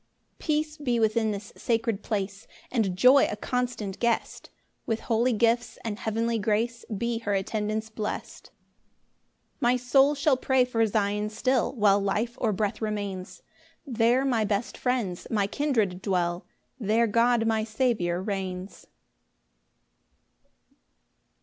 5 Peace be within this sacred place, And joy a constant guest! With holy gifts, and heavenly grace Be her attendants blest! 6 My soul shall pray for Zion still, While life or breath remains; There my best friends, my kindred dwell, There God my Saviour reigns.